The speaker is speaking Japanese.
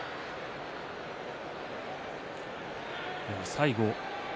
最後。